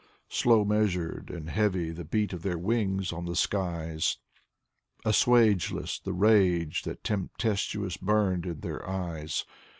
Slow measured and heavy the beat of their wings on the skies, Assuageless the rage that tempestuous burned in their eyes.